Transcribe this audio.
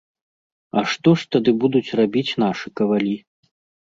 А што ж тады будуць рабіць нашы кавалі?